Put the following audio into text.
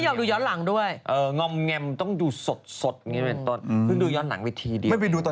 ก็คือตอดติดติด